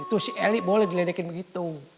itu si elit boleh diledekin begitu